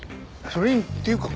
それにっていうか